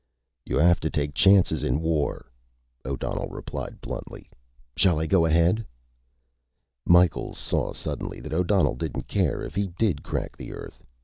"You have to take chances in war," O'Donnell replied bluntly. "Shall I go ahead?" Micheals saw, suddenly, that O'Donnell didn't care if he did crack the Earth.